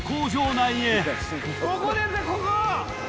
ここですここ！